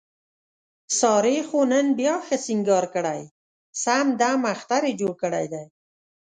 سارې خو نن بیا ښه سینګار کړی، سم دمم اختر یې جوړ کړی دی.